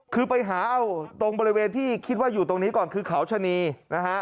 คือไปหาเอาตรงบริเวณที่คิดว่าอยู่ตรงนี้ก่อนคือเขาชะนีนะฮะ